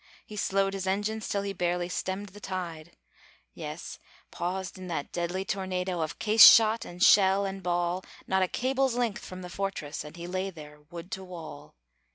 he slowed his engines Till he barely stemmed the tide; Yes, paused in that deadly tornado Of case shot and shell and ball, Not a cable's length from the fortress, And he lay there, wood to wall.